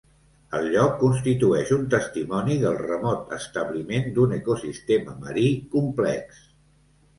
El lloc constitueix un testimoni del remot establiment d'un ecosistema marí complex.